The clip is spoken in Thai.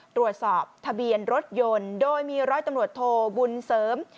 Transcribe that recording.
ตรวจสอบทะเบียนรถยนต์โดยมีร้อยตำรวจโทบุญเสริม